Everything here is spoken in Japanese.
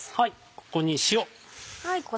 ここに塩。